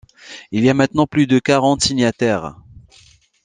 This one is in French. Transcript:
Il y a maintenant plus de quarante signataires.